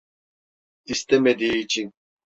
İstemediği için…